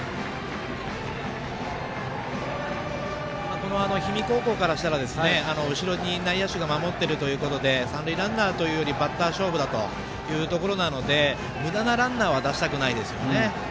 この氷見高校からしたら後ろに内野手が守っているということで三塁ランナーというよりバッター勝負だというところでむだなランナーは出したくないですよね。